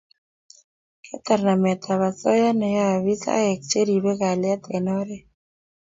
Ketar nametap osoya neyaei afisaek che ribei kalyet eng oret